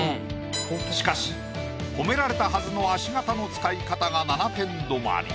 しかし褒められたはずの足形の使い方が７点止まり。